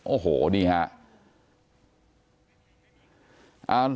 โอ้โหนี่ฮะ